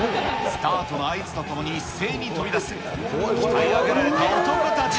スタートの合図とともに一斉に飛び出す、鍛え上げられた男たち。